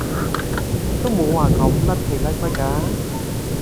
都冇話咁甩皮甩骨㗎